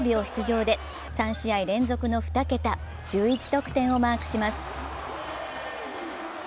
出場で３試合連続の２桁、１１得点をマークします。